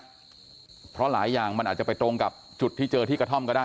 เพราะหลายอย่างมันอาจจะไปตรงกับจุดที่เจอที่กระท่อมก็ได้